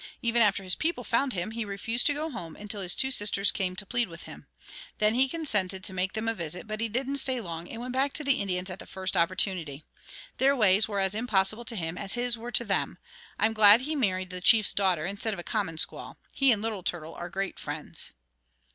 Even after his people found him, he refused to go home, until his two sisters came to plead with him. Then he consented to make them a visit, but he didn't stay long, and went back to the Indians at the first opportunity. Their ways were as impossible to him as his were to them. I'm glad he married the chief's daughter, instead of a common squaw. He and Little Turtle are great friends."